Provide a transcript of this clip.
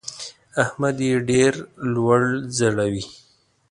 احمد يې ډېره لوړه ځړوي.